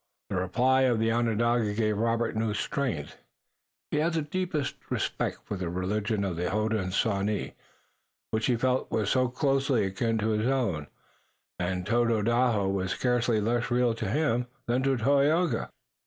The reply of the Onondaga gave Robert new strength. He had the deepest respect for the religion of the Hodenosaunee, which he felt was so closely akin to his own, and Tododaho was scarcely less real to him than to Tayoga.